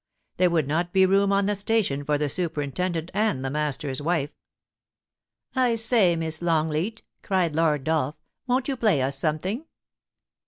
There would not be room on the station for the superintendent and the master's wife.' * I say, Miss Longleat,' cried Lord Dolph, * won't you play us something